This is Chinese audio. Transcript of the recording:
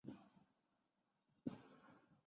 北宋襄邑人。